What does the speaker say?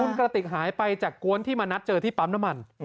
คุณกระติกหายไปจากกวนที่มานัดเจอที่ปั๊มน้ำมัน